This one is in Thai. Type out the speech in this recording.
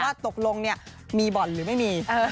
ว่าตกลงมีบ่อนหรือไม่มี